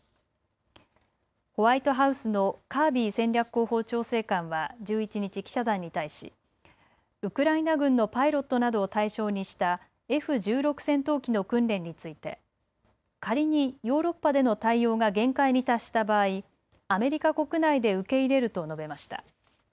ホワイトハウスのカービー戦略広報調整官は１１日、記者団に対しウクライナ軍のパイロットなどを対象にしたＦ１６戦闘機の訓練について仮にヨーロッパでの対応が限界に達した場合、アメリカ国内で受け入れると述べました。